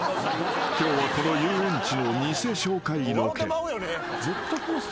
［今日はこの遊園地の偽紹介ロケ］